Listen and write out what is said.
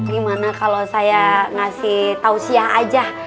gimana kalau saya ngasih tausiah aja